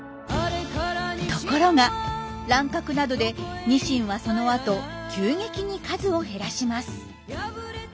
ところが乱獲などでニシンはそのあと急激に数を減らします。